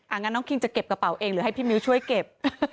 งั้นน้องคิงจะเก็บกระเป๋าเองหรือให้พี่มิ้วช่วยเก็บ